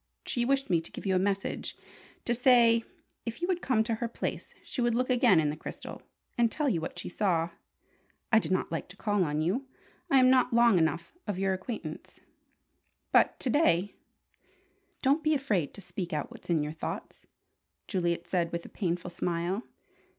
She wished me to give you a message: to say, if you would come to her place, she would look again in the crystal, and tell you what she saw. I did not like to call on you. I am not long enough of your acquaintance. But to day " "Don't be afraid to speak out what's in your thoughts," Juliet said with a painful smile.